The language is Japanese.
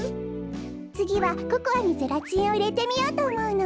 つぎはココアにゼラチンをいれてみようとおもうの。